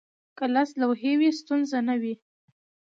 که لس لوحې وي، ستونزه نه وي.